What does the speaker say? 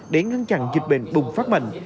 để ngăn chặn dịch bệnh bùng phát mạnh